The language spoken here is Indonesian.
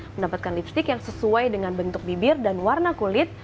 mendapatkan lipstick yang sesuai dengan bentuk bibir dan warna kulit